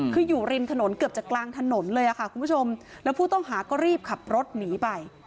คืออยู่ริมถนนเกือบจะกลางถนนเลยค่ะคุณผู้ชมแล้วผู้ต้องหาก็รีบขับรถหนีไป